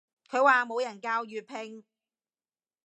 佢話冇人教粵拼